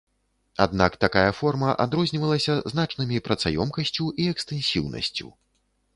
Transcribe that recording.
Аднак такая форма адрознівалася значнымі працаёмкасцю і экстэнсіўнасцю.